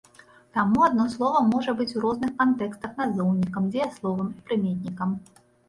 Таму адно слова можа быць у розных кантэкстах назоўнікам, дзеясловам і прыметнікам.